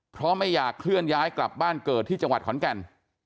เพราะไม่อยากเคลื่อนย้ายกลับบ้านเกิดที่จังหวัดขอนแก่น